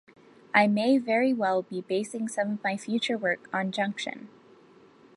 I may very well be basing some of my future work on "Junction".